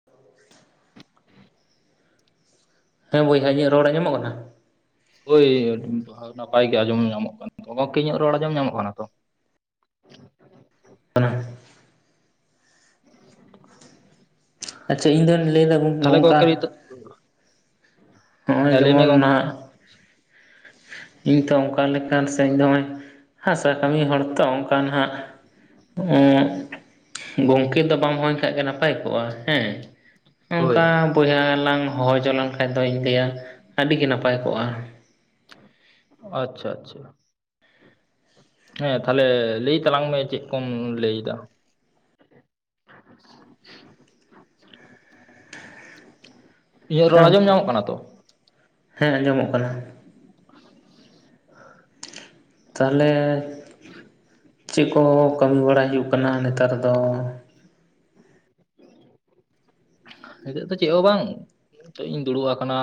[inaudible] ᱦᱮᱸ ᱵᱚᱭᱦᱟ ᱤᱧᱟᱜ ᱨᱚᱲ ᱟᱸᱡᱚᱢᱚᱜ ᱠᱟᱱᱟ ᱦᱳᱭ ᱱᱟᱯᱟᱭ ᱜᱮ ᱟᱸᱡᱚᱢ ᱧᱟᱢᱚᱜ ᱠᱟᱱᱟ ᱜᱚᱢᱠᱮ ᱤᱧᱟᱹᱜ ᱨᱚᱲ ᱟᱸᱡᱚᱢ ᱧᱟᱢᱚᱜ ᱠᱟᱱᱟ ᱛᱚ ᱚᱱᱟ ᱟᱪᱪᱷᱟ ᱤᱧᱫᱚᱧ ᱞᱟᱹᱭᱮᱫᱟ ᱛᱟᱦᱚᱞᱮ ᱱᱚᱝᱠᱟ [inaudible] ᱦᱚᱸᱜᱼᱚᱭ ᱦᱮᱸ ᱞᱟᱹᱭ ᱢᱮ ᱡᱮᱢᱚᱱ ᱜᱚᱝᱠᱮ ᱱᱟᱦᱟᱜ ᱤᱧ ᱛᱚ ᱚᱱᱠᱟ ᱞᱮᱠᱟᱱ ᱥᱮ ᱤᱧ ᱫᱚ ᱱᱚᱜᱼᱚᱭ ᱦᱟᱥᱟ ᱠᱟᱹᱢᱤ ᱦᱚᱲ ᱛᱚ ᱚᱱᱠᱟ ᱱᱟᱦᱟᱸᱜ ᱩᱸ ᱜᱚᱢᱠᱮ ᱫᱚ ᱵᱟᱢ ᱦᱚᱦᱚᱭ ᱠᱷᱟᱡ ᱜᱮ ᱱᱟᱯᱟᱭ ᱠᱚᱜᱼᱟ ᱦᱮᱸ ᱦᱳᱭ ᱱᱚᱝᱠᱟ ᱵᱚᱭᱦᱟᱞᱟᱝ ᱦᱚᱦᱚ ᱡᱚᱱᱟᱝ ᱠᱷᱟᱡ ᱫᱚ ᱤᱧ ᱞᱟᱹᱭᱟ ᱟᱹᱰᱤ ᱜᱮ ᱱᱟᱯᱟᱭ ᱠᱚᱜᱼᱟ ᱟᱪᱪᱷᱟ ᱟᱪᱪᱷᱟ ᱦᱮᱸ ᱛᱟᱦᱚᱞᱮ ᱞᱟᱹᱭ ᱛᱟᱞᱟᱝ ᱢᱮ ᱪᱮᱫ ᱠᱚᱢ ᱞᱟᱹᱭ ᱮᱫᱟ [inaudible] ᱤᱧᱟᱹᱜ ᱨᱚᱲ ᱟᱸᱡᱚᱢ ᱧᱟᱢᱚᱜ ᱠᱟᱱᱟ ᱛᱚ ᱦᱮᱸ ᱟᱸᱡᱚᱢᱚᱜ ᱠᱟᱱᱟ ᱛᱟᱦᱚᱞᱮ ᱪᱮᱫ ᱠᱚ ᱠᱟᱹᱢᱤ ᱵᱟᱲᱟᱭ ᱦᱩᱭᱩᱜ ᱠᱟᱱᱟ ᱱᱮᱛᱟᱨ ᱫᱚ ᱱᱤᱛᱚᱜ ᱫᱚ ᱪᱮᱫ ᱦᱚᱸ ᱵᱟᱝ ᱱᱤᱛᱚᱜ ᱤᱧ ᱫᱩᱲᱩᱵ ᱟᱠᱟᱱᱟ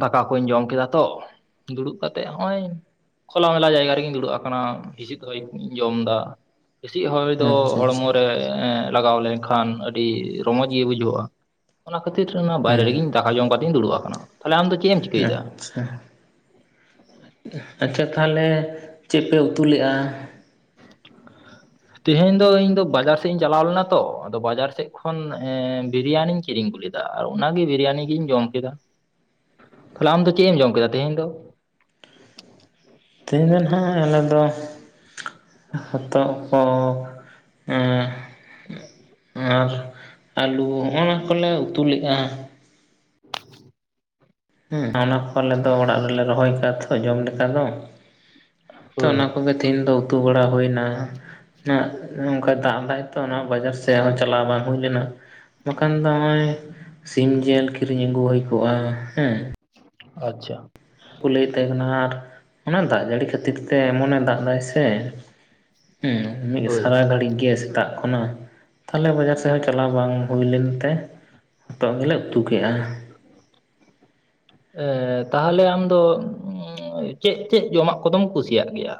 ᱫᱟᱠᱟ ᱠᱚᱧ ᱡᱚᱢ ᱠᱮᱫᱟ ᱛᱚ ᱫᱩᱲᱩᱵ ᱠᱟᱛᱮᱜ ᱦᱚᱸᱜᱼᱚᱭ ᱠᱷᱚᱞᱟ ᱢᱮᱞᱟ ᱡᱟᱭᱜᱟ ᱨᱮᱜᱤᱧ ᱫᱩᱲᱩᱵ ᱟᱠᱟᱱᱟ ᱦᱤᱸᱥᱤᱫ ᱦᱚᱭ ᱤᱧ ᱡᱚᱢ ᱮᱫᱟ ᱦᱤᱸᱥᱤᱫ ᱦᱚᱭ ᱫᱚ ᱟᱪᱪᱷᱟ ᱟᱪᱪᱷᱟ ᱦᱚᱲᱢᱚ ᱨᱮ ᱞᱟᱜᱟᱣ ᱞᱮᱱᱠᱷᱟᱱ ᱟᱹᱰᱤ ᱨᱚᱢᱚᱡᱽ ᱜᱮ ᱵᱩᱡᱷᱟᱹᱜᱼᱟ ᱚᱱᱟ ᱠᱷᱟᱹᱛᱤᱨ ᱚᱱᱟ ᱵᱟᱦᱨᱮ ᱦᱮᱸ ᱨᱮᱜᱮᱧ ᱫᱟᱠᱟ ᱡᱚᱢ ᱠᱟᱛᱮᱜ ᱤᱧ ᱫᱩᱲᱩᱵ ᱟᱠᱟᱱᱟ ᱛᱟᱦᱞᱮ ᱟᱢᱫᱚ ᱪᱮᱫ ᱮᱢ ᱪᱤᱠᱟᱹᱭᱮᱫᱟ ᱟᱪᱪᱷᱟ ᱟᱪᱪᱷᱟ ᱛᱟᱦᱚᱞᱮ ᱪᱮᱫ ᱯᱮ ᱩᱛᱩ ᱞᱮᱫᱼᱟ ᱛᱮᱦᱮᱧ ᱫᱚ ᱤᱧ ᱫᱚ ᱵᱟᱡᱟᱨ ᱥᱮᱫ ᱤᱧ ᱪᱟᱞᱟᱣ ᱞᱮᱱᱟ ᱛᱚ ᱟᱫᱚ ᱵᱟᱡᱟᱨ ᱥᱮᱫ ᱠᱷᱚᱱ ᱵᱤᱨᱤᱭᱟᱱᱤᱧ ᱠᱤᱨᱤᱧ ᱞᱮᱫᱟ ᱟᱨ ᱚᱱᱟᱜᱮ ᱵᱤᱨᱤᱭᱟᱱᱤ ᱜᱤᱧ ᱡᱚᱢ ᱠᱮᱫᱟ [inaudible] ᱛᱟᱦᱚᱞᱮ ᱟᱢᱫᱚ ᱪᱮᱫ ᱮᱢ ᱡᱚᱢ ᱠᱮᱫᱟ ᱛᱮᱦᱮᱧ ᱫᱚ ᱛᱮᱦᱮᱧ ᱫᱚ ᱱᱟᱦᱟᱸᱜ ᱟᱞᱮ ᱫᱚ ᱦᱚᱛᱚᱫ ᱠᱚ ᱟᱨ ᱟᱨ ᱟᱹᱞᱩ ᱦᱚᱸᱜ-ᱱᱟ ᱠᱚᱞᱮ ᱩᱛᱩ ᱞᱮᱫᱼᱟ [inaudible] ᱦᱮ ᱚᱱᱟ ᱠᱚ ᱟᱞᱮ ᱫᱚ ᱚᱲᱟᱜ ᱨᱮᱞᱮ ᱨᱚᱦᱚᱭ ᱠᱟᱫ ᱛᱚ ᱡᱚᱢ ᱞᱮᱠᱟ ᱫᱚ ᱛᱚ ᱦᱳᱭ ᱚᱱᱟ ᱠᱚᱜᱮ ᱛᱮᱦᱮᱧ ᱫᱚ ᱩᱛᱩ ᱵᱟᱲᱟ ᱦᱩᱭᱮᱱᱟ ᱱᱚᱝᱠᱟ ᱫᱟᱜ ᱫᱟᱭ ᱛᱚ ᱚᱱᱟ ᱵᱟᱡᱟᱨ ᱥᱮᱫ ᱦᱚᱸ ᱪᱟᱞᱟᱣ ᱵᱟᱝ ᱦᱩᱭ ᱞᱮᱱᱟ ᱵᱟᱠᱷᱟᱱ ᱫᱚ ᱱᱚᱜᱼᱚᱭ ᱥᱤᱢ ᱡᱤᱞ ᱠᱤᱨᱤᱧ ᱟᱹᱜᱩ ᱦᱩᱭ ᱠᱚᱜᱼᱟ ᱦᱮᱸ ᱟᱪᱪᱷᱟ ᱠᱚ ᱞᱟᱹᱭᱮᱫ ᱛᱟᱦᱮᱸ ᱠᱟᱱᱟ ᱟᱨ ᱚᱱᱟ ᱫᱟᱜ ᱡᱟᱹᱲᱤ ᱠᱷᱟᱹᱛᱤᱨ ᱛᱮ ᱮᱢᱚᱱᱮ ᱫᱟᱜ ᱮᱫᱟᱭ ᱥᱮ ᱼᱼ ᱦᱮᱸ ᱢᱤᱫ ᱦᱳᱭ ᱥᱟᱨᱟ ᱜᱷᱟᱹᱲᱤᱡ ᱜᱮ ᱥᱮᱛᱟᱜ ᱠᱷᱚᱱᱟᱜ ᱼᱼ ᱛᱟᱦᱟᱞᱮ ᱵᱟᱡᱟᱨ ᱥᱮᱫ ᱦᱚᱸ ᱪᱟᱞᱟᱣ ᱵᱟᱝ ᱦᱩᱭᱞᱮᱱᱛᱮ ᱦᱚᱛᱚᱜ ᱜᱮᱞᱮ ᱩᱛᱩ ᱠᱮᱜᱼᱟ। [inaudible] ᱮᱻ ᱛᱟᱦᱚᱞᱮ ᱟᱢ ᱪᱮᱫ ᱪᱮᱫ ᱡᱚᱢᱟᱜ ᱠᱚᱫᱚᱢ ᱠᱩᱥᱤᱭᱟᱜ ᱜᱮᱭᱟ?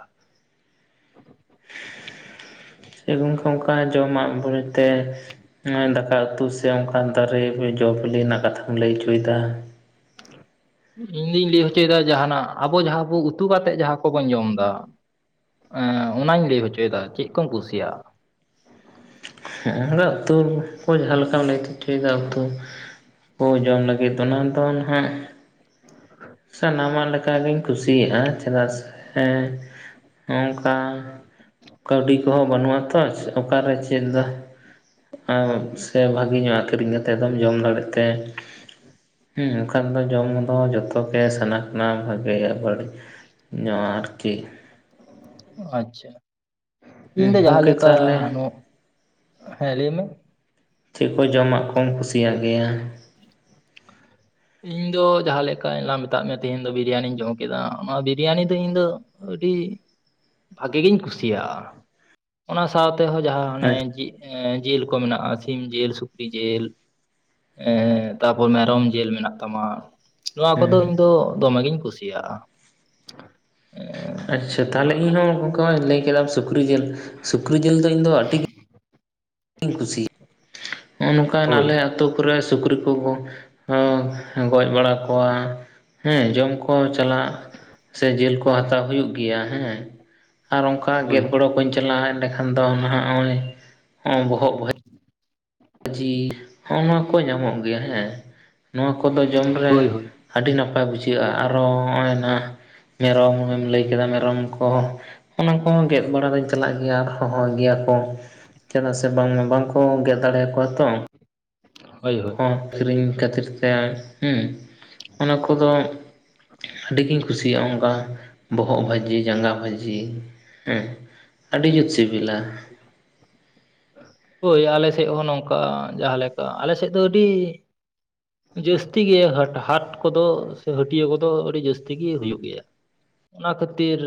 ᱥᱮ ᱜᱚᱢᱠᱮ ᱚᱱᱠᱟ ᱡᱚᱢᱟᱜ ᱵᱚᱞᱮᱛᱮ ᱼᱼ ᱱᱚᱜ ᱚᱭ ᱫᱟᱠᱟ ᱩᱛᱩ ᱥᱮ ᱚᱱᱠᱟᱱ ᱫᱟᱨᱮ ᱡᱚ ᱵᱤᱞᱤ ᱨᱮᱱᱟᱜ ᱠᱟᱛᱷᱟᱢ ᱞᱟᱹᱭ ᱚᱪᱚᱭᱮᱫᱟ? [inaudible] ᱤᱧᱫᱩᱧ ᱞᱟᱹᱭ ᱦᱚᱪᱚᱭᱮᱫᱟ ᱡᱟᱦᱟᱸᱱᱟᱜ ᱟᱵᱚ ᱡᱟᱦᱟᱸᱵᱚ ᱩᱛᱩ ᱠᱟᱛᱮᱫ ᱡᱟᱦᱟᱸ ᱠᱚᱵᱚᱱ ᱡᱚᱢ ᱮᱫᱟ ᱚᱱᱟᱧ ᱞᱟᱹᱭ ᱦᱚᱪᱚᱭᱮᱫᱟ ᱪᱮᱫ ᱠᱚᱢ ᱠᱩᱥᱤᱭᱟᱜᱼᱟ ᱦᱮᱸ ᱩᱛᱩ ᱠᱚ ᱡᱟᱦᱟᱸ ᱞᱮᱠᱟᱢ ᱞᱟᱹᱭ ᱦᱚ ᱚᱪᱚᱭᱮᱫᱟ ᱩᱛᱩ ᱠᱚ [unintelligible] ᱡᱚᱢ ᱞᱟᱹᱜᱤᱫ ᱚᱱᱟ ᱫᱚ ᱱᱷᱟᱜ ᱼᱼ ᱥᱟᱱᱟᱢᱟᱜ ᱞᱮᱠᱟ ᱜᱤᱧ ᱠᱩᱥᱤᱭᱟᱜᱼᱟ᱾ ᱪᱮᱫᱟᱜ ᱥᱮ ᱼᱼ ᱦᱚᱸᱝᱠᱟ ᱠᱟᱹᱣᱰᱤ ᱠᱚᱦᱚᱸ ᱵᱟᱹᱱᱩᱜ ᱟᱛᱚ ᱚᱠᱟᱨᱮ ᱪᱮᱫ ᱫᱚ ᱼᱼ [inaudible] ᱥᱮ ᱵᱷᱟᱜᱮ ᱧᱚᱜ ᱟᱹᱠᱷᱨᱤᱧ ᱠᱟᱛᱮᱫ ᱫᱚᱢ ᱡᱚᱢ ᱫᱟᱲᱮᱜ ᱛᱮ। ᱦᱮᱸ ᱢᱮᱱᱠᱷᱟᱱ ᱫᱚ ᱡᱚᱢ ᱫᱚ ᱡᱚᱛᱚ ᱜᱮ ᱥᱟᱱᱟ ᱠᱟᱱᱟ ᱵᱷᱟᱜᱮᱭᱟ ᱵᱟᱹᱲᱤᱡ ᱼᱼ ᱧᱚᱜ ᱟᱨᱠᱤ ᱟᱪᱪᱷᱟ ᱤᱧ ᱫᱚ ᱦᱮᱸ ᱡᱟᱦᱟᱸ ᱜᱚᱢᱠᱮ ᱞᱮᱠᱟ ᱛᱟᱦᱚᱞᱮ ᱼᱼ ᱦᱮᱸ ᱞᱟᱹᱭ ᱢᱮ ᱪᱮᱫ ᱠᱚ ᱡᱚᱢᱟᱜ ᱠᱚᱢ ᱠᱩᱥᱤᱭᱟᱜ ᱜᱮᱭᱟ? ᱤᱧ ᱫᱚ ᱡᱟᱦᱟᱸ ᱞᱮᱠᱟ ᱞᱟᱝ ᱢᱮᱛᱟᱜ ᱢᱮᱭᱟ ᱛᱤᱦᱤᱧ ᱫᱚ ᱵᱤᱨᱤᱭᱟᱱᱤᱧ ᱡᱚᱢ ᱠᱮᱫᱟ᱾ ᱚᱱᱟ ᱵᱤᱨᱤᱭᱟᱱᱤ ᱫᱚ ᱤᱧ ᱫᱚ ᱼᱼ ᱟᱹᱰᱤ ᱵᱷᱟᱜᱮ ᱜᱤᱧ ᱠᱩᱥᱤᱭᱟᱜᱼᱟ। ᱚᱱᱟ ᱥᱟᱶᱛᱮᱦᱚᱸ ᱡᱟᱦᱟᱸ ᱚᱱᱮ ᱦᱮᱸ ᱡᱤ ᱡᱤᱞ ᱠᱚ ᱢᱮᱱᱟᱜᱼᱟ ᱥᱤᱢ ᱡᱤᱞ ᱥᱩᱠᱨᱤ ᱡᱤᱞ। ᱮᱸᱻ ᱛᱟᱯᱚᱨ ᱢᱮᱨᱚᱢ ᱡᱤᱞ ᱢᱮᱱᱟᱜᱼᱟ। ᱟᱭᱢᱟ ᱱᱚᱣᱟ ᱠᱚᱫᱚ ᱤᱧ ᱫᱚ ᱫᱚᱢᱮ ᱜᱤᱧ ᱠᱩᱥᱤᱭᱟᱜᱼᱟ। ᱟᱪᱪᱷᱟ ᱛᱟᱦᱟᱞᱮ ᱤᱧᱦᱚᱸ ᱚᱱᱠᱟᱢᱟ ᱞᱟᱹᱭ ᱠᱮᱫᱟᱢ ᱥᱩᱠᱨᱤ ᱡᱤᱞ᱾ ᱥᱩᱠᱨᱤ ᱡᱤᱞ ᱫᱚ ᱤᱧ ᱫᱚ ᱟᱹᱰᱤ ᱼᱼ ᱟᱹᱰᱤᱧ ᱠᱩᱥᱤᱭᱟᱜᱼᱟ᱾ ᱱᱚᱜᱼᱚ ᱱᱚᱝᱠᱟᱱ ᱦᱳᱭ ᱟᱞᱮ ᱼᱼ ᱟᱹᱛᱩ ᱠᱚᱨᱮ ᱥᱩᱠᱨᱤ ᱠᱚ ᱠᱚ ᱦᱚᱸᱻ ᱜᱚᱡ ᱵᱟᱲᱟ ᱠᱚᱣᱟ। ᱦᱮᱸ ᱡᱚᱢᱠᱚ ᱪᱟᱞᱟᱜ ᱥᱮ ᱡᱤᱞ ᱠᱚ ᱦᱟᱛᱟᱣ ᱦᱩᱭᱩᱜ ᱜᱮᱭᱟ। ᱦᱮᱸ ᱟᱨ ᱚᱱᱠᱟ ᱦᱳᱭ ᱜᱮᱫ ᱜᱚᱲᱚ ᱠᱚᱧ ᱪᱟᱞᱟᱜᱼᱟ ᱮᱸᱰᱮᱠᱷᱟᱱ ᱫᱚ ᱱᱷᱟᱜ ᱱᱚᱜᱼᱚᱭ ᱼᱼ ᱚᱸ ᱵᱚᱦᱚᱜ ᱵ [inaudible] ᱡᱤᱞ ᱦᱚᱸᱜᱼᱚ ᱱᱚᱣᱟ ᱠᱚ ᱧᱟᱢᱚᱜ ᱜᱮᱭᱟ ᱦᱮᱸ᱾ ᱱᱚᱣᱟ ᱠᱚᱫᱚ ᱡᱚᱢᱨᱮ ᱦᱳᱭ ᱦᱳᱭ ᱼᱼ ᱟᱹᱰᱤ ᱱᱟᱯᱟᱭ ᱵᱩᱡᱷᱟᱹᱜᱼᱟ᱾ ᱟᱨᱚ ᱱᱚᱜᱼᱚᱭ ᱱᱟ ᱢᱮᱨᱚᱢ ᱞᱟᱹᱭ ᱠᱮᱫᱟ ᱢᱮᱨᱚᱢ ᱠᱚ ᱼᱼ ᱚᱱᱟ ᱠᱚᱦᱚᱸ ᱜᱮᱫ ᱵᱟᱲᱟ ᱫᱚᱧ ᱪᱟᱞᱟᱜ ᱜᱮᱭᱟ ᱟᱨ ᱦᱚᱦᱚᱭ ᱜᱮᱭᱟ ᱠᱚ। ᱪᱮᱫᱟᱜ ᱥᱮ ᱵᱟᱝᱢᱟ ᱵᱟᱝᱠᱚ ᱜᱮᱫ ᱫᱟᱲᱮᱭᱟᱠᱚᱣᱟ ᱛᱚ। ᱦᱳᱭ ᱦᱳᱭ ᱦᱚᱸ ᱠᱤᱨᱤᱧ ᱠᱷᱟᱹᱛᱤᱨ ᱛᱮ ᱦᱮᱸ ᱚᱱᱟ ᱠᱚᱫᱚ ᱼᱼ ᱟᱹᱰᱤ ᱜᱤᱧ ᱠᱩᱥᱤᱭᱟᱜᱼᱟ᱾ ᱚᱱᱠᱟ ᱵᱚᱦᱚᱜ ᱵᱷᱟᱹᱡᱤ ᱡᱟᱸᱜᱟ ᱵᱷᱟᱹᱡᱤ ᱦᱮᱸ। ᱟᱹᱰᱤ ᱡᱩᱨ ᱥᱤᱵᱤᱞᱟ। ᱦᱳᱭ ᱟᱞᱮᱥᱮᱫ ᱦᱚᱸ ᱱᱚᱝᱠᱟ ᱡᱟᱦᱟᱸᱞᱮᱠᱟ ᱟᱞᱮᱥᱮᱫ ᱫᱚ ᱟᱹᱰᱤ ᱼᱼ ᱡᱟᱹᱥᱛᱤ ᱜᱮ ᱦᱟᱴ ᱦᱟᱴ ᱠᱚᱫᱚ ᱥᱮ ᱦᱟᱹᱴᱭᱟᱹ ᱠᱚᱫᱚ ᱟᱹᱰᱤ ᱡᱟᱹᱥᱛᱤ ᱜᱮ ᱦᱩᱭᱩᱜ ᱜᱮᱭᱟ। ᱚᱱᱟ ᱠᱷᱟᱹᱛᱤᱨ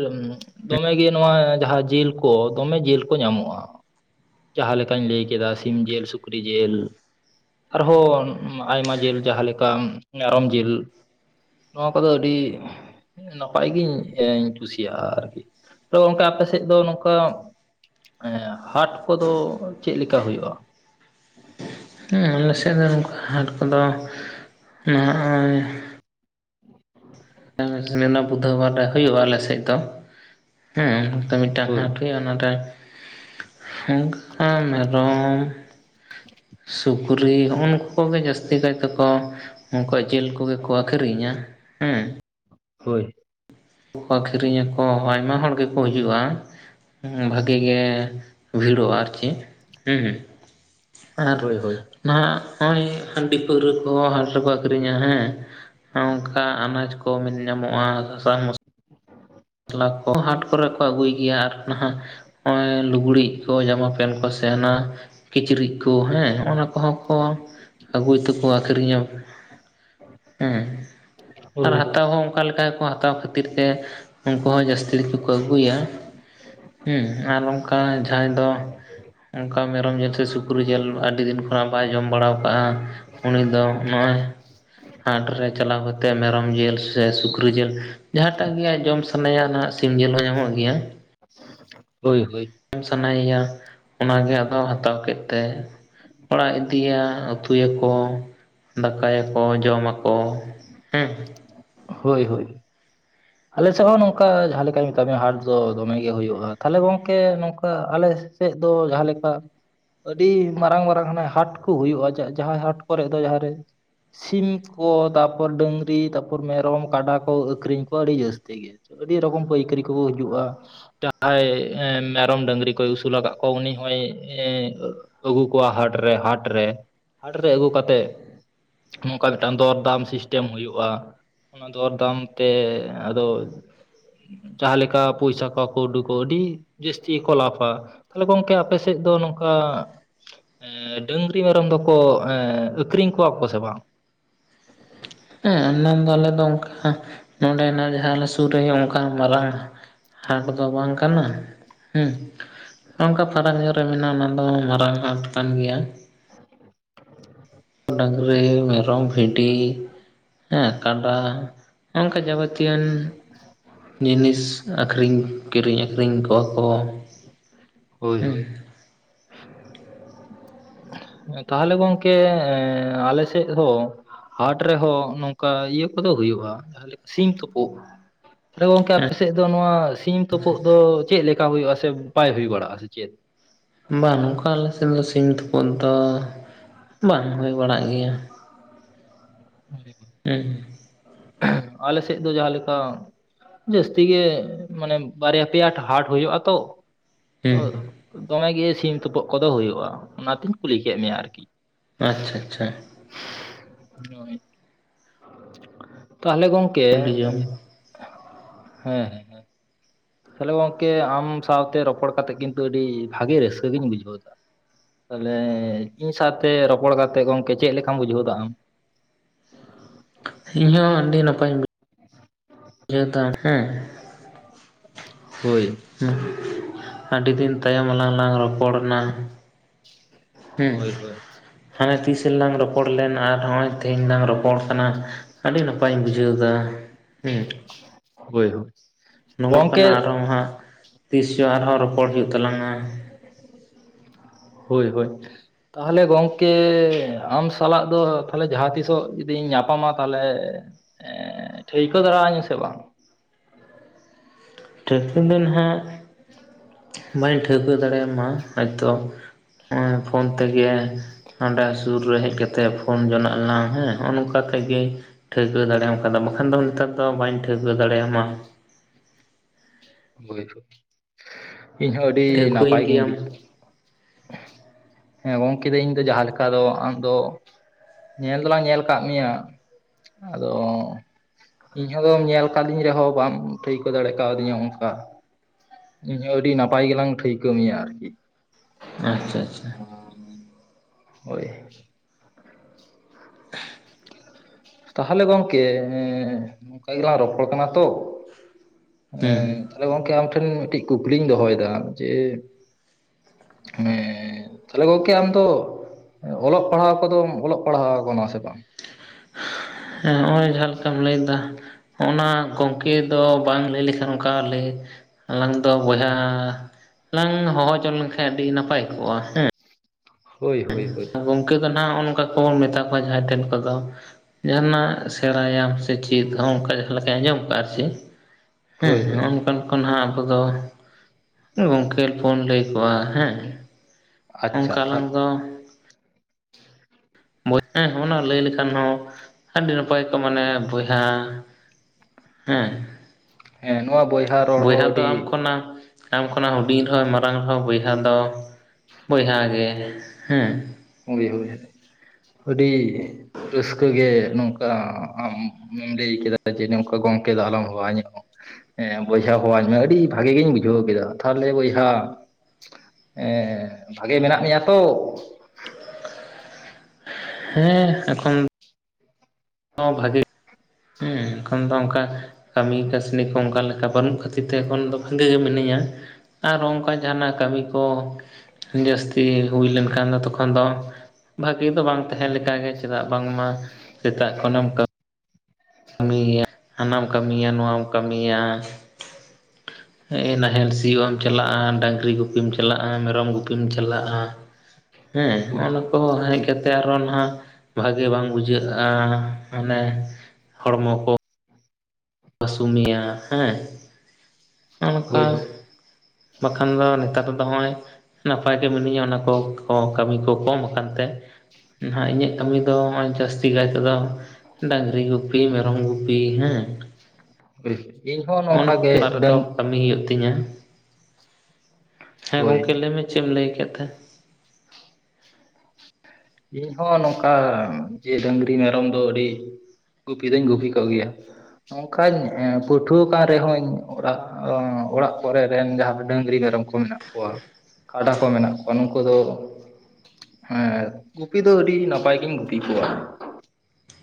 ᱫᱚᱢᱮ ᱜᱮ ᱱᱚᱣᱟ ᱡᱟᱦᱟᱸ ᱡᱤᱞ ᱠᱚ ᱫᱚᱢᱮ ᱡᱤᱞ ᱠᱚ ᱧᱟᱢᱚᱜᱼᱟ। ᱡᱟᱦᱟᱸ ᱞᱮᱠᱟᱧ ᱞᱟᱹᱭ ᱠᱮᱫᱟ ᱥᱤᱢ ᱡᱤᱞ ᱥᱩᱠᱨᱤ ᱡᱤᱞ᱾ ᱟᱨᱦᱚᱸ ᱟᱭᱢᱟ ᱼᱼ ᱡᱤᱞ, ᱡᱟᱦᱟᱸ ᱞᱮᱠᱟ ᱢᱮᱨᱚᱢ ᱡᱤᱞ᱾ ᱱᱚᱣᱟ ᱠᱚᱫᱚ ᱟᱹᱰᱤ ᱼᱼ ᱱᱟᱯᱟᱭ ᱜᱤᱧ ᱤᱧ ᱠᱩᱥᱤᱭᱟᱜᱼᱟ ᱟᱨᱠᱤ᱾ ᱛᱚ ᱚᱱᱠᱟ ᱟᱯᱮ ᱥᱮᱫ ᱫᱚ ᱱᱚᱝᱠᱟ ᱼᱼ ᱮᱸ ᱦᱟᱴ ᱠᱚᱫᱚ ᱪᱮᱫ ᱞᱮᱠᱟ ᱦᱩᱭᱩᱜᱼᱟ? ᱦᱮᱸ ᱟᱞᱮ ᱥᱮᱫ ᱫᱚ ᱱᱚᱝᱠᱟ ᱦᱟᱴ ᱠᱚᱫᱚ ᱱᱚᱜᱼᱚᱭ ᱼᱼ ᱢᱮᱱᱟ ᱵᱩᱫᱷᱚ ᱵᱟᱨ ᱰᱟᱠ ᱦᱩᱭᱩᱜᱼᱟ ᱟᱞᱮᱥᱮᱫ ᱫᱚ ᱦᱮᱸ ᱼᱼ ᱚᱱᱟ ᱢᱤᱫᱴᱟᱝ ᱦᱳᱭ ᱚᱝᱠᱟ ᱢᱮᱨᱚᱢ ᱥᱩᱠᱨᱤ ᱦᱚᱜᱼᱚᱭ ᱱᱩᱠᱩ ᱠᱚᱜᱮ ᱡᱟᱥᱛᱤ ᱠᱟᱭ ᱛᱮᱠᱚ ᱩᱱᱠᱩᱣᱟᱜ ᱡᱤᱞ ᱠᱚᱜᱮ ᱠᱚ ᱟᱹᱠᱷᱨᱤᱧᱟ ᱦᱮᱸ ᱦᱳᱭ ᱩᱱᱠᱩ ᱠᱚ ᱟᱹᱠᱷᱨᱤᱧ ᱟᱠᱚ ᱟᱭᱢᱟ ᱦᱚᱲ ᱜᱮᱠᱚ ᱦᱤᱡᱩᱜ-ᱟ᱾ ᱵᱷᱟᱜᱮ ᱜᱮ ᱵᱷᱤᱲᱚᱜᱼᱟ ᱟᱨᱤ ᱦᱩᱸ ᱟᱨ ᱦᱳᱭ ᱦᱳᱭ ᱱᱚᱜᱼᱚᱭ ᱦᱟᱺᱰᱤ ᱯᱟᱹᱣᱨᱟᱹ ᱠᱚ ᱦᱟᱴ ᱨᱮᱠᱚ ᱟᱹᱠᱷᱨᱤᱧᱟ ᱦᱮᱸ ᱚᱝᱠᱟ ᱟᱱᱟᱡᱽ ᱠᱚ ᱧᱟᱢᱚᱜᱼᱟ ᱥᱟᱥᱟᱝ ᱢᱚᱥᱞᱟ ᱢᱚᱥᱞᱟ ᱠᱚ ᱦᱟᱴ ᱠᱚᱨᱮᱜ ᱠᱚ ᱟᱹᱜᱩᱭ ᱜᱮᱭᱟ ᱟᱨ ᱱᱟᱦᱟᱜ ᱦᱚᱜᱼᱚᱭ ᱞᱩᱜᱽᱲᱤᱡ ᱠᱚ ᱡᱟᱢᱟ ᱯᱮᱱ ᱠᱚ ᱥᱮ ᱚᱱᱟ ᱠᱤᱪᱨᱤᱡ ᱠᱚ ᱦᱮᱸ ᱦᱚᱜᱚ ᱱᱟ ᱠᱚᱦᱚᱸ ᱠᱚ ᱟᱹᱜᱩᱭ ᱛᱮᱠᱚ ᱟᱹᱠᱷᱨᱤᱧᱟ ᱦᱮᱸ ᱟᱨ ᱦᱳᱭ ᱦᱳᱭ ᱦᱟᱛᱟᱣ ᱦᱚᱸ ᱚᱱᱠᱟ ᱞᱮᱠᱟ ᱜᱮ ᱠᱚ ᱦᱟᱛᱟᱣ ᱠᱷᱟᱹᱛᱤᱨ ᱛᱮ ᱼᱼ ᱩᱱᱠᱩ ᱦᱚᱸ ᱡᱟᱹᱥᱛᱤ ᱡᱤᱞ ᱠᱚ ᱠᱚ ᱟᱹᱜᱩᱭᱟ᱾ ᱦᱩᱸ ᱟᱨ ᱚᱱᱠᱟ ᱡᱟᱦᱟᱸᱭ ᱫᱚ ᱼᱼ ᱚᱱᱠᱟ ᱢᱮᱨᱚᱢ ᱡᱤᱞ ᱥᱮ ᱥᱩᱠᱨᱤ ᱡᱤᱞ ᱟᱹᱰᱤ ᱫᱤᱱ ᱠᱷᱚᱱᱟᱜ ᱵᱟᱭ ᱡᱚᱢ ᱵᱟᱲᱟᱣ ᱠᱟᱜᱼᱟ। ᱩᱱᱤ ᱫᱚ ᱱᱚᱜᱼᱚᱭ ᱦᱟᱴ ᱨᱮ ᱪᱟᱞᱟᱣ ᱠᱟᱛᱮᱜ ᱢᱮᱨᱚᱢ ᱡᱮᱞ ᱥᱮ ᱥᱩᱠᱨᱤ ᱡᱮᱞ ᱡᱟᱦᱟᱴᱟᱜ ᱜᱮ ᱡᱚᱢ ᱱᱟᱦᱟᱜ ᱥᱤᱢ ᱡᱤᱞ ᱦᱚᱸ ᱧᱟᱢᱚᱜ ᱜᱮᱭᱟ ᱦᱳᱭ ᱦᱳᱭ [unintelligible] ᱥᱟᱱᱟᱭᱮᱭᱟ ᱚᱱᱟᱜᱮ ᱟᱫᱚ ᱦᱟᱛᱟᱣ ᱠᱮᱜ ᱛᱮ ᱚᱲᱟᱜ ᱤᱫᱤᱭᱟ ᱩᱛᱩᱭᱟᱠᱚ ᱫᱟᱠᱟᱭᱟᱠᱚ ᱡᱚᱢ ᱟᱠᱚ ᱦᱩᱸ ᱦᱳᱭ ᱦᱳᱭ ᱦᱮᱸ ᱟᱞᱮ ᱥᱮᱫ ᱦᱚᱸ ᱱᱚᱝᱠᱟ ᱡᱟᱦᱟᱸ ᱞᱮᱠᱟᱧ ᱢᱮᱛᱟ ᱢᱮᱭᱟ ᱦᱟᱴ ᱫᱚ ᱫᱚᱢᱮ ᱜᱮ ᱦᱳᱭᱳᱜᱼᱟ, ᱛᱟᱦᱞᱮ ᱜᱚᱝᱠᱮ ᱱᱚᱝᱠᱟ ᱟᱞᱮ ᱥᱮᱫ ᱫᱚ ᱡᱟᱦᱟᱸ ᱞᱮᱠᱟ ᱟᱹᱰᱤ ᱢᱟᱨᱟᱝ ᱢᱟᱨᱟᱝ ᱦᱟᱱᱮ ᱦᱟᱴ ᱠᱚ ᱦᱩᱭᱩᱜᱼᱟ, ᱡᱟᱦᱟᱸ ᱦᱟᱴ ᱠᱚᱨᱮᱜ ᱫᱚ ᱡᱟᱦᱟᱸ ᱨᱮ ᱥᱤᱢ ᱠᱚ ᱛᱟ ᱯᱳᱨ ᱰᱟᱯᱚᱨ [unintelligible] ᱛᱟᱨᱯᱚᱨ ᱢᱮᱨᱚᱢ ᱠᱟᱰᱟ ᱠᱚ ᱟᱹᱷᱨᱤᱧ ᱠᱚᱣᱟ ᱟᱹᱰᱤ ᱡᱟᱹᱥᱛᱤ ᱜᱮ ᱟᱹᱰᱤ ᱨᱚᱠᱚᱢ ᱠᱚ ᱯᱟᱹᱭᱠᱟᱹᱨᱤ ᱠᱚ ᱦᱤᱡᱩᱜᱼᱟ ᱡᱟᱦᱟᱭ ᱢᱮᱨᱚᱢ ᱰᱟᱝᱨᱤ ᱠᱚᱭ ᱟᱹᱥᱩᱞ ᱠᱟᱜ ᱠᱚ ᱩᱱᱤ ᱦᱚᱭ ᱟᱹᱜᱩ ᱠᱚᱣᱟ ᱦᱟᱴᱨᱮ ᱦᱟᱴᱨᱮ, ᱦᱟᱴᱨᱮ ᱟᱹᱜᱩ ᱠᱟᱛᱮᱜ ᱱᱚᱝᱠᱟ ᱞᱮᱠᱟᱱ ᱫᱚᱨᱫᱟᱢ ᱥᱤᱥᱴᱮᱢ ᱦᱳᱭᱳᱜ ᱚᱱᱟ ᱫᱚᱨᱫᱟᱢ ᱛᱮ ᱟᱫᱚ ᱡᱟᱦᱟᱸ ᱞᱮᱠᱟ ᱯᱚᱭᱥᱟ ᱠᱚ ᱠᱟᱹᱣᱰᱤ ᱠᱚ ᱟᱹᱰᱤ ᱡᱟᱹᱥᱛᱤ ᱠᱚ ᱞᱟᱯᱼᱟ ᱛᱟᱦᱞᱮ ᱜᱚᱝᱠᱮ ᱟᱯᱮ ᱥᱮᱫ ᱫᱚ ᱱᱚᱝᱠᱟ ᱰᱟᱝᱨᱤ ᱢᱮᱨᱚᱢ ᱫᱚᱠᱚ ᱟᱠᱷᱨᱤᱧ ᱠᱚᱣᱟ ᱠᱚ ᱥᱮ ᱵᱟᱝ ᱦᱮᱸ [unintelligible] ᱟᱞᱮ ᱫᱚ ᱚᱝᱠᱟ ᱱᱚᱰᱮᱱᱟᱜ ᱡᱟᱦᱟᱸ ᱟᱞᱮ [unintelligible] ᱟᱛᱳ ᱨᱮ ᱚᱱᱠᱟᱱ ᱢᱟᱨᱟᱝ ᱦᱟᱴ ᱫᱚ ᱵᱟᱝ ᱠᱟᱱᱟ, ᱦᱩᱸ ᱛᱚ ᱱᱚᱝᱠᱟ ᱯᱷᱟᱨᱟᱠ ᱧᱚᱜ ᱨᱮ ᱢᱮᱱᱟᱜᱼᱟ, ᱚᱱᱟ ᱫᱚ ᱢᱟᱨᱟᱝ ᱦᱟᱴ ᱠᱟᱱ ᱜᱮᱭᱟ ᱰᱟᱝᱨᱤ ᱢᱮᱨᱚᱢ ᱵᱷᱤᱰᱤ ᱮ ᱠᱟᱰᱟ ᱱᱚᱝᱠᱟ ᱡᱟᱵᱚᱛᱤᱭᱟᱱ ᱡᱤᱱᱤᱥ ᱟᱹᱠᱷᱨᱤᱧ ᱠᱤᱨᱤᱧ ᱟᱹᱠᱷᱨᱤᱧ ᱠᱚᱣᱟ ᱠᱚ ᱦᱳᱭ ᱦᱮᱸ ᱦᱳᱭ ᱛᱟᱦᱞᱮ ᱜᱚᱝᱠᱮ ᱟᱞᱮ ᱥᱮᱫ ᱦᱚᱸ ᱦᱟᱴ ᱨᱮᱦᱚᱸ ᱱᱚᱝᱠᱟ ᱤᱭᱟᱹ ᱠᱚᱫᱚ ᱦᱳᱭᱳᱜᱼᱟ, ᱡᱟᱦᱟᱸ ᱞᱮᱠᱟ ᱥᱤᱢ ᱛᱳᱯᱳᱜ ᱛᱟᱦᱞᱮ ᱜᱚᱝᱠᱮ ᱟᱯᱮᱥᱮᱫ ᱫᱚ ᱱᱚᱣᱟ ᱥᱤᱢ ᱛᱳᱯᱳᱜ ᱫᱚ ᱪᱮᱫ ᱞᱮᱠᱟ ᱦᱳᱭᱳᱜᱼᱟ ᱥᱮ ᱵᱟᱭ ᱦᱳᱭ ᱵᱟᱲᱟᱜ-ᱟ ᱥᱮ ᱪᱮᱫ ᱵᱟᱝ ᱱᱚᱝᱠᱟ ᱟᱞᱮ ᱥᱮᱫ ᱫᱚ ᱥᱤᱢ ᱛᱳᱯᱳᱫ ᱫᱚ ᱵᱟᱝ ᱦᱳᱭ ᱵᱟᱲᱟᱜ ᱜᱮᱭᱟ ᱵᱷᱟᱞᱮ ᱜᱮ ᱩ ᱟᱞᱮᱥᱮᱫ ᱫᱚ ᱡᱟ ᱞᱮᱠᱟ ᱡᱟᱹᱥᱛᱤ ᱜᱮ ᱢᱟᱱᱮ ᱵᱟᱨᱭᱟ ᱯᱮᱭᱟ ᱦᱟᱴ ᱦᱳᱭᱳᱜ ᱟᱛᱚ ᱛᱚ ᱦᱩᱸ ᱫᱚᱢᱮ ᱜᱮ ᱥᱤᱢ ᱛᱩᱯᱩᱜ ᱠᱚᱫᱚ ᱦᱩᱭᱩᱜᱼᱟ ᱚᱱᱟ ᱛᱤᱧ ᱠᱩᱞᱤ ᱠᱮᱫ ᱢᱮᱭᱟ ᱟᱨᱠᱤ ᱟᱪᱪᱷᱟ ᱟᱪᱪᱷᱟ ᱦᱳᱭ ᱛᱟᱞᱦᱮ ᱜᱚᱝᱠᱮ ᱠᱩᱞᱤ ᱡᱚᱝ ᱦᱮᱸ ᱦᱮᱸ ᱛᱟᱦᱚᱞᱮ ᱜᱚᱝᱠᱮ ᱟᱢ ᱥᱟᱶᱛᱮ ᱨᱚᱯᱚᱲ ᱠᱟᱛᱮᱜ ᱠᱤᱱᱛᱩ ᱟᱹᱰᱤ ᱵᱷᱟᱜᱤ ᱨᱟᱹᱥᱠᱟᱹᱜᱤᱧ ᱵᱩᱡᱷᱟᱹᱣ ᱫᱟ ᱛᱟᱦᱚᱞᱮ ᱤᱧ ᱥᱟᱶᱛᱮ ᱨᱚᱯᱚᱲ ᱠᱟᱛᱮᱜ ᱜᱚᱝᱠᱮ ᱪᱮᱫ ᱞᱮᱠᱟᱢ ᱵᱩᱡᱷᱟᱹᱣ ᱮᱫᱟ ᱟᱢ ᱤᱧ ᱦᱚᱸ ᱟᱹᱰᱤ ᱱᱟᱯᱟᱭ ᱤᱧ ᱵᱩᱡᱷᱟᱹᱣ ᱮᱫᱟ ᱦᱮᱸ ᱦᱳᱭ ᱟᱹᱰᱤ ᱫᱤᱱ ᱛᱟᱭᱚᱢ ᱞᱟᱝ ᱨᱚᱯᱚᱲ ᱮᱱᱟ ᱦᱮᱸ ᱦᱳᱭ ᱦᱳᱭ ᱦᱟᱱᱮ ᱛᱤᱥ ᱨᱮᱞᱟᱝ ᱨᱚᱯᱚᱲ ᱞᱮᱱ, ᱟᱨ ᱦᱚᱜᱼᱚᱭ ᱛᱮᱦᱮᱧ ᱞᱟᱝ ᱨᱚᱯᱚᱲ ᱠᱟᱱᱟ, ᱟᱹᱰᱤ ᱱᱟᱯᱟᱭᱤᱧ ᱵᱩᱡᱷᱟᱹᱣ ᱮᱫᱟ ᱦᱮᱸ ᱦᱳᱭ ᱦᱳᱭ ᱨᱚᱯᱚᱲ ᱜᱚᱝᱠᱮ ᱠᱟᱱᱟ ᱟᱨ ᱦᱚᱸ ᱦᱟᱸᱜ ᱛᱤᱥ ᱪᱚ ᱟᱨᱦᱚᱸ ᱨᱚᱯᱚᱲ ᱦᱩᱭᱩᱜ ᱛᱟᱞᱟᱝᱼᱟ ᱦᱳᱭ ᱦᱳᱭ ᱛᱟᱦᱚᱞᱮ ᱜᱚᱢᱠᱮ ᱟᱢ ᱥᱟᱞᱟᱜ ᱫᱚ ᱛᱟᱦᱚᱞᱮ ᱡᱟᱦᱟᱸ ᱛᱤᱥᱚᱜ ᱡᱩᱫᱤᱧ ᱧᱟᱯᱟᱢᱟ ᱛᱟᱞᱮ ᱴᱷᱟᱹᱣᱠᱟᱹ ᱫᱟᱲᱮ ᱟᱹᱧᱟ ᱥᱮ ᱵᱟᱝ ᱴᱷᱟᱹᱠᱟᱹ ᱫᱚ ᱦᱟᱜ ᱵᱟᱹᱧ ᱴᱷᱟᱹᱣᱠᱟᱹ ᱫᱟᱲᱮ ᱟᱢᱟ ᱦᱚᱭ ᱛᱚ ᱱᱚᱜᱼᱚᱭ ᱯᱷᱳᱱ ᱛᱮ ᱜᱮ ᱦᱟᱸᱰᱮ ᱥᱩᱨ ᱨᱮ ᱦᱮᱡ ᱠᱟᱛᱮᱜ ᱯᱷᱳᱱ ᱡᱚᱝ ᱟᱜ ᱟᱞᱟᱝ ᱦᱮᱸ ᱱᱚᱜᱼᱚ ᱱᱚᱝᱠᱟ ᱠᱟᱛᱮ ᱜᱮ ᱴᱷᱟᱹᱣᱠᱟᱹ ᱫᱟᱲᱮ ᱟᱢ ᱠᱷᱟᱱ ᱫᱚ ᱵᱟᱠᱷᱟᱱ ᱫᱚ ᱱᱮᱛᱟᱨ ᱫᱚ ᱵᱟᱹᱧ ᱴᱷᱟᱹᱣᱠᱟᱹ ᱫᱟᱲᱮ ᱭᱟᱢᱟ ᱦᱳᱭ ᱦᱳᱭ ᱤᱧ ᱦᱚᱸ ᱟᱹᱰᱤ ᱴᱷᱟᱹᱣᱠᱟᱹᱧ ᱱᱟᱯᱟᱭ ᱜᱤᱧ ᱜᱮᱭᱟᱢ ᱵᱩᱡᱟᱣ ᱮᱫᱟ [unintelligible] ᱦᱮᱸ ᱜᱚᱝᱠᱮ ᱤᱧ ᱫᱚ ᱡᱟᱦᱟᱸ ᱞᱮᱠᱟ ᱫᱚ ᱟᱢ ᱫᱚ ᱧᱮᱞ ᱫᱚᱞᱟᱝ ᱧᱮᱞ ᱟᱠᱟᱫ ᱢᱮᱭᱟ ᱟᱫᱚ ᱤᱧ [unintelligible] ᱧᱮᱞ ᱠᱟᱫᱤᱧ ᱨᱮ ᱦᱚᱸ ᱵᱟᱢ ᱴᱷᱟᱹᱠᱟᱹ ᱫᱟᱲᱮ ᱠᱟᱣ ᱫᱤᱧᱟ ᱤᱧ ᱦᱚᱸ ᱟᱹᱰᱤ ᱱᱟᱯᱟᱭ ᱜᱮ ᱞᱟᱝ ᱴᱷᱟᱹᱭᱠᱟᱹ‌ ᱢᱮᱭᱟ ᱟᱨ ᱟᱪᱪᱷᱟ ᱟᱪᱪᱷᱟ ᱦᱳᱭ [unintelligible] ᱛᱟᱦᱚᱞᱮ ᱜᱚᱝᱠᱮ ᱱᱚᱝᱠᱟ ᱜᱮᱞᱟᱝ ᱨᱚᱯᱚᱲ ᱠᱟᱱᱟ ᱛᱚ ᱦᱩᱸ ᱦᱮᱸ ᱛᱟᱦᱞᱮ ᱜᱚᱝᱠᱮ ᱟᱢ ᱴᱷᱮᱱ ᱢᱤᱫ ᱴᱮᱱ ᱠᱩᱠᱞᱤᱧ ᱫᱚᱦᱚᱭ ᱮᱫᱟ ᱡᱮ ᱦᱮᱸ ᱛᱟᱦᱚᱞᱮ ᱜᱚᱝᱠᱮ ᱟᱢ ᱫᱚ ᱚᱞᱚᱜ ᱯᱟᱲᱦᱟᱣ ᱠᱚᱫᱚᱢ ᱚᱞᱚᱜ ᱯᱟᱲᱦᱟᱣ ᱟᱠᱟᱱᱟ ᱥᱮ ᱵᱟᱝ ᱦᱮᱸ ᱦᱚᱸᱜᱼᱚᱭ ᱡᱟᱦᱟᱸ ᱞᱮᱠᱟᱢ ᱞᱟᱹᱭ ᱫᱟ ᱚᱱᱟ ᱜᱚᱝᱠᱮ ᱫᱚ ᱵᱟᱝ ᱞᱟᱹᱭ ᱞᱮ ᱠᱷᱟᱱ ᱚᱱᱠᱟ ᱞᱟᱹᱭ ᱟᱞᱟᱝ ᱫᱚ ᱵᱚᱭᱦᱟ ᱞᱟᱝ ᱦᱚ ᱦᱚ ᱡᱚᱝ ᱞᱮᱱ ᱠᱷᱟᱱ ᱟᱹᱰᱤ ᱱᱟᱯᱟᱭ ᱠᱚᱜᱼᱟ ᱦᱮᱸ ᱦᱳᱭ ᱦᱳᱭ ᱦᱳᱭ ᱱᱟᱜᱼᱚ ᱱᱚᱝᱠᱟ ᱠᱚᱵᱚᱱ ᱢᱮᱛᱟ ᱠᱚᱣᱟ ᱡᱟᱦᱟᱸᱭ ᱴᱷᱮᱱ ᱠᱚᱫᱚ ᱡᱟᱦᱟ ᱱᱟᱜ ᱥᱮᱬᱟᱭᱟᱢ ᱥᱮ ᱪᱮᱫ ᱦᱚᱸ ᱚᱱᱠᱟ ᱡᱟᱦᱟᱸ ᱞᱮᱠᱟᱧ ᱟᱸᱡᱚᱢ ᱟᱠᱟᱫᱼᱟ ᱟᱨ ᱪᱮᱫ ᱦᱮᱸ ᱦᱳᱭ ᱱᱚᱜᱼᱚ ᱦᱳᱭ ᱱᱚᱝ ᱠᱟᱱ ᱠᱚ ᱟᱵᱚ ᱫᱚ ᱜᱚᱝᱠᱮ ᱵᱚᱱ ᱞᱟᱹᱭ ᱠᱚᱜᱣᱟ ᱦᱮᱸ ᱟᱪᱪᱷᱟ ᱚᱱᱠᱟ ᱟᱞᱟᱝ ᱛᱟᱦᱚᱞᱮ ᱫᱚ ᱢᱚᱡᱛᱮᱭ ᱞᱟᱹᱭ ᱞᱮᱠᱷᱟᱱ ᱦᱚᱸ ᱟᱹᱰᱤ ᱱᱟᱯᱟᱭ ᱠᱚ ᱢᱟᱱᱮ ᱵᱚᱭᱦᱟ ᱦᱮᱸ ᱦᱮᱸ ᱱᱚᱣᱟ ᱵᱚᱭᱦᱟ ᱨᱚᱲ ᱦᱚᱸ ᱫᱚ ᱟᱹᱰᱤ ᱟᱢ ᱠᱷᱚᱱᱟᱜ ᱟᱢ ᱠᱷᱚᱱᱟᱜ ᱦᱩᱰᱤᱧ ᱨᱮᱦᱚᱸ ᱢᱟᱨᱟᱝ ᱨᱮ ᱦᱚᱸ ᱵᱚᱭᱦᱟ ᱫᱚ ᱵᱚᱭᱦᱟ ᱜᱮ ᱦᱮᱸ ᱦᱳᱭ ᱦᱳᱭ ᱦᱳᱭ ᱟᱹᱰᱤ ᱨᱟᱹᱥᱠᱟᱹᱜ ᱜᱮ ᱱᱚᱝᱠᱟ ᱟᱢ ᱞᱟᱹᱭ ᱠᱮᱫᱟ ᱡᱮ ᱱᱚᱝᱠᱟ ᱜᱚᱝᱠᱮ ᱫᱚ ᱟᱞᱚᱢ ᱦᱚ ᱦᱚ ᱤᱧᱟ ᱦᱮᱸ ᱵᱚᱭᱦᱟ ᱦᱚ ᱦᱚ ᱤᱧ ᱢᱮ ᱟᱹᱰᱤ ᱵᱷᱟᱜᱤ ᱜᱤᱧ ᱵᱩᱡᱷᱟᱹᱣ ᱠᱮᱫᱟ ᱛᱟᱦᱚ ᱞᱮ ᱵᱚᱭᱦᱟ ᱮᱸ ᱵᱷᱟᱜᱮ ᱢᱮᱱᱟᱜ ᱢᱮᱭᱟ ᱛᱚ ᱦᱮᱸ ᱮᱠᱷᱚᱱ ᱵᱷᱟᱜᱮ [unintelligible] ᱦᱮᱸ ᱮᱱᱠᱷᱚᱱ ᱫᱚ ᱚᱱᱠᱟ ᱠᱟᱹᱢᱤ ᱠᱟᱹᱥᱱᱤ ᱠᱚ ᱚᱱᱠᱟ ᱞᱮᱠᱟ ᱵᱟᱹᱱᱩᱜ ᱠᱷᱟᱹᱛᱤᱨ ᱛᱮ ᱮᱠᱷᱚᱱ ᱫᱚ ᱵᱷᱟᱜᱮ ᱜᱮ ᱢᱤᱱᱟᱹᱧᱟ ᱟᱨ ᱚᱱᱠᱟ ᱡᱟᱦᱟᱱᱟᱜ ᱠᱟᱹᱢᱤ ᱠᱚ ᱡᱟᱹᱥᱛᱤ ᱦᱩᱭ ᱞᱮᱱᱠᱷᱟᱱ ᱫᱚ ᱛᱚᱠᱷᱚᱱ ᱫᱚ ᱵᱷᱟᱹᱜᱤ ᱫᱚ ᱵᱟᱝ ᱛᱟᱦᱮᱸ ᱞᱮᱠᱟᱜᱮ ᱪᱮᱫᱟᱜ ᱵᱟᱝᱢᱟ ᱥᱮᱛᱟᱜ ᱠᱷᱚᱱᱮᱢ ᱠᱟᱢ ᱠᱟᱢᱤᱭ ᱜᱮᱭᱟ ᱦᱟᱱᱟᱢ ᱠᱟᱹᱢᱤᱭᱟ ᱱᱚᱣᱟᱢ ᱠᱟᱹᱢᱤᱭᱟ ᱮᱸ ᱱᱟᱦᱮᱞ ᱥᱤᱭᱳᱜ ᱮᱢ ᱪᱟᱞᱟᱜᱼᱟ ᱰᱟᱹᱝᱨᱤ ᱜᱩᱯᱤᱢ ᱪᱟᱞᱟᱜᱼᱟ ᱢᱮᱨᱚᱢ ᱜᱩᱯᱤᱢ ᱪᱟᱞᱟᱜᱼᱟ ᱦᱮᱸ ᱚᱱᱟ ᱠᱚ ᱦᱮᱡ ᱠᱟᱛᱮᱜ ᱟᱨᱚ ᱱᱟᱦᱟᱜ ᱵᱷᱟᱜᱮ ᱵᱟᱝ ᱵᱩᱡᱷᱟᱹᱜᱼᱟ ᱦᱟᱱᱮ ᱦᱚᱲᱢᱚ ᱠᱚ ᱦᱟᱥᱩᱢᱤᱭᱟᱹ ᱦᱮᱸ ᱚᱱᱠᱟ ᱦᱳᱭ ᱦᱳᱭ ᱵᱟᱠᱷᱟᱱ ᱫᱚ ᱱᱮᱛᱟᱨ ᱫᱚ ᱱᱚᱜᱼᱚᱭ ᱱᱟᱯᱟᱭ ᱜᱮ ᱢᱤᱱᱟᱹᱧᱟ ᱚᱱᱟ ᱠᱚ ᱠᱟᱹᱢᱤ ᱠᱚ ᱠᱚᱢ ᱟᱠᱟᱱ ᱛᱮ ᱦᱟᱜ ᱤᱧᱟᱹᱜ ᱠᱟᱹᱢᱤ ᱫᱚ ᱱᱚᱜᱚᱭ ᱡᱟᱹᱥ ᱞᱟᱭ ᱛᱮᱫᱚ ᱰᱟᱝᱨᱤ ᱜᱩᱯᱤ ᱢᱮᱨᱚᱢ ᱜᱩᱯᱤ ᱦᱮᱸ ᱤᱧ ᱦᱚ ᱱᱚᱜᱼᱚ ᱱᱚᱣᱟ ᱱᱚᱝᱠᱟ ᱜᱮ ᱠᱚ ᱚᱲᱟᱜ ᱨᱮᱫᱚ ᱰᱟᱝ ᱠᱟᱹᱢᱤ ᱦᱩᱭᱩᱜ ᱛᱤᱧᱟᱹ ᱦᱮᱸ ᱜᱚᱝᱠᱮ ᱦᱳᱭ ᱞᱟᱹᱭᱢᱮ ᱪᱮᱫ ᱮᱢ ᱞᱟᱹᱭ ᱠᱮᱫ ᱛᱟᱦᱮᱸ [inaudible] ᱤᱧ ᱦᱚ ᱱᱚᱝᱠᱟ ᱡᱮ ᱰᱟᱹᱝᱨᱤ ᱢᱮᱨᱚᱢ ᱫᱚ ᱟᱹᱰᱤ ᱜᱩᱯᱤ ᱫᱚᱧ ᱜᱩᱯᱤ ᱠᱚᱜ ᱜᱮᱭᱟ ᱚᱱᱠᱟᱧ ᱮ ᱯᱟᱹᱴᱷᱩᱣᱟᱹ ᱠᱟᱱ ᱨᱮᱦᱚᱧ ᱚᱲᱟᱜ ᱚᱲᱟᱜ ᱠᱚᱨᱮ ᱨᱮᱱ ᱡᱟᱦᱟᱸ ᱰᱟᱹᱝᱨᱤ ᱢᱮᱨᱚᱢ ᱠᱚ ᱢᱮᱱᱟᱜ ᱠᱚᱣᱟ ᱠᱟᱰᱟ ᱠᱚ ᱢᱮᱱᱟᱜ ᱠᱚᱣᱟ ᱱᱩᱠᱩ ᱫᱚ ᱮ ᱜᱩᱯᱤ ᱫᱚ ᱟᱹᱰᱤ ᱱᱟᱯᱟᱭ ᱜᱤᱧ ᱜᱩᱯᱤ ᱠᱚᱣᱟ